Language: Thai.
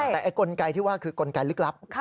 แต่กลไกที่ว่าคือกลไกลึกลับ